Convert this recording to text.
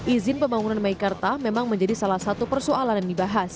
izin pembangunan meikarta memang menjadi salah satu persoalan yang dibahas